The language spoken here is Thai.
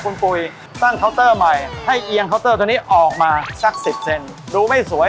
คุณปุ๋ยสร้างให้เอียงออกมาสักสิบเซนดูไม่สวย